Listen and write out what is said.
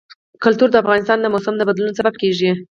کلتور د افغانستان د موسم د بدلون سبب کېږي.